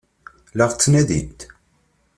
La ɣ-ttnadint?